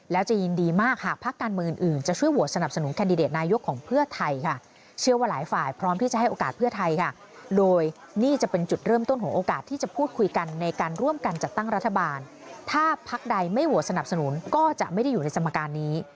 แล้วจะยินดีมากหากพักการเมืองอื่นจะช่วยโหวตสนับสนุนแคนดิเดตนายกของเพื่อไทยค่ะเชื่อว่าหลายฝ่ายพร้อมที่จะให้โอกาสเพื่อไทยค่ะโดยนี่จะเป็นจุดเริ่มต้นของโอกาสที่จะพูดคุยกันในการร่วมกันจัดตั้งรัฐบาลถ้าพักใดไม่โหวตสนับสนุนก็จะไม่ได้อยู่ในสมการนี้